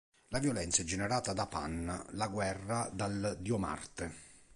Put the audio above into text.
La violenza è generata da Pan, la guerra dal dio Marte.